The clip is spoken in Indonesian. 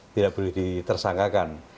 tidak boleh ditersangkakan